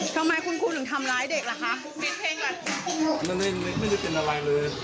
ทำไมคุณครูถึงทำร้ายเด็กหรือคะ